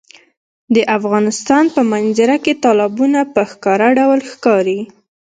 د افغانستان په منظره کې تالابونه په ښکاره ډول ښکاري.